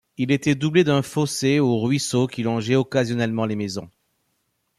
Il était doublé d'un fossé ou ruisseau qui longeait occasionnellement les maisons.